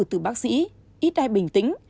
từ bác sĩ ít ai bình tĩnh